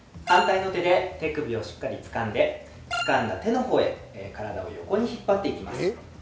反対の手で手首をしっかりつかんで、つかんだ手のほうへ体を横に引っ張っていきます。